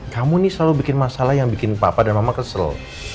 kamu nih selalu bikin masalah yang bikin papa dan mama kesel